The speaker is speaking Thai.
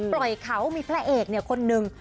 ปล่อยเขามีพระเอกคนนึง